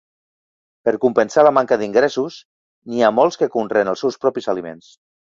Per compensar la manca d'ingressos, n'hi ha molts que conreen els seus propis aliments.